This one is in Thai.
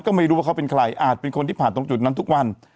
ก็ไม่รู้ว่าเขาเป็นใครอาจเป็นคนที่ผ่านตรงจุดนั้นทุกวัน